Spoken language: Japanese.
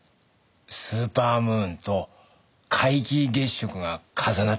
スーパームーンと皆既月食が重なった年。